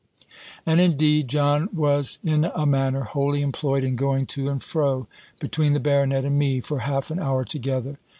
And, indeed, John was in a manner wholly employed in going to and fro between the baronet and me, for half an hour together.